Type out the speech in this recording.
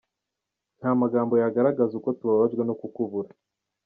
Nta magambo yagaragaza uko tubabajwe no kukubura.